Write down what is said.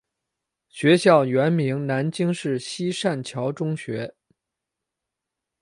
学校原名南京市西善桥中学。